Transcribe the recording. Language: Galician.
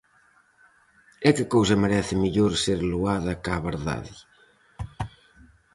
E que cousa merece mellor ser loada cá verdade?